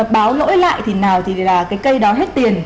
báo lỗi lại thì nào thì là cái cây đó hết tiền